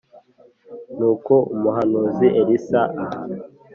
Nuko umuhanuzi Elisa aha